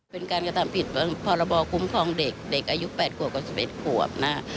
เป็นการกระทำผิดพบคุ้มครองเด็กอายุ๘กว่ากว่า๑๑กว่า